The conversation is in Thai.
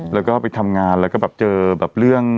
แล้วก็ไปทำงานแล้วก็เจอเรื่อง